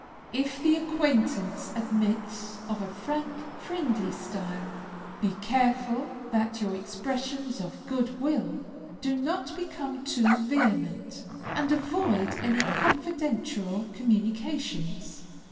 If the acquaintance admits of a frank, friendly style, be careful that your expressions of good will do not become too vehement, and avoid any confidential communications.